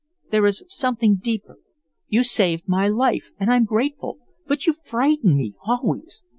There is something deeper. You saved my life and I'm grateful, but you frighten me, always.